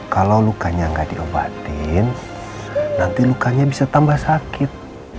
kalau lukanya nggak diobatin nanti lukanya bisa tambah sakit